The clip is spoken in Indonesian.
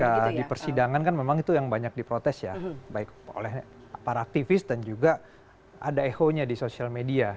ya di persidangan kan memang itu yang banyak diprotes ya baik oleh para aktivis dan juga ada eho nya di sosial media